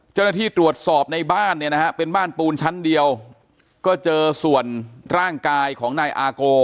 เจ้านะธีตรวจสอบในบ้านเป็นบ้านปูนชั้นเดียวก็เจอส่วนร่างกายของนายอากโก